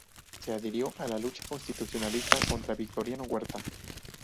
Se adhirió a la lucha constitucionalista contra Victoriano Huerta.